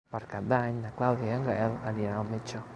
Per Cap d'Any na Clàudia i en Gaël aniran al metge.